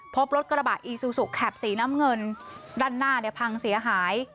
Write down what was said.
พบรถกระบะอีซูซูแคปสีน้ำเงินด้านหน้าเนี่ยพังเสียหาย